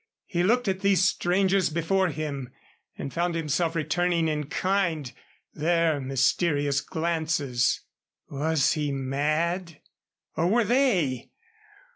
He looked at these strangers before him and found himself returning in kind their mysterious glances. Was he mad? Or were they?